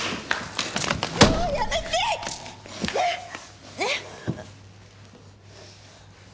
もうやめて！ね！ね？